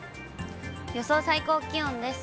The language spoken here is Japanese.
予想最高気温です。